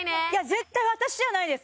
絶対私じゃないです